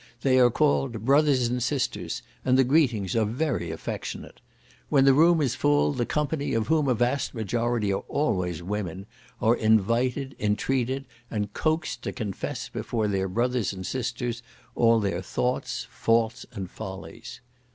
They are called brothers and sisters, and the greetings are very affectionate. When the room is full, the company, of whom a vast majority are always women, are invited, intreated, and coaxed to confess before their brothers and sisters, all their thoughts, faults, and follies.